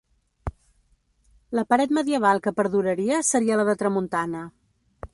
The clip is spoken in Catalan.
La paret medieval que perduraria seria la de tramuntana.